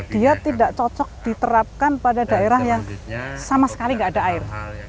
dia tidak cocok diterapkan pada daerah yang sama sekali tidak ada air